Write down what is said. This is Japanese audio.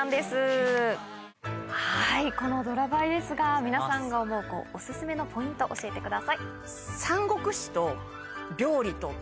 このドラバイですが皆さんが思うおすすめのポイント教えてください。